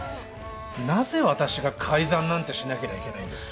なぜ私が改ざんなんてしなけりゃいけないんです